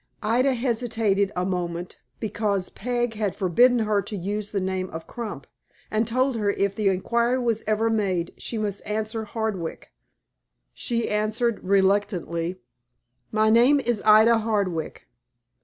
Ida hesitated a moment, because Peg had forbidden her to use the name of Crump, and told her if the inquiry was ever made, she must answer Hardwick. She answered, reluctantly, "My name is Ida Hardwick."